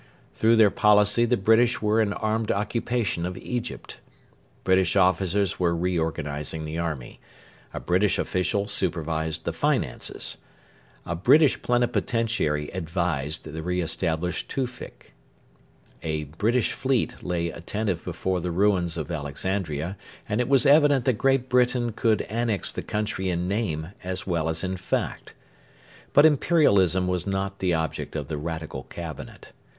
Through their policy the British were in armed occupation of Egypt. British officers were reorganising the army. A British official supervised the finances. A British plenipotentiary 'advised' the re established Tewfik. A British fleet lay attentive before the ruins of Alexandria, and it was evident that Great Britain could annex the country in name as well as in fact. But Imperialism was not the object of the Radical Cabinet.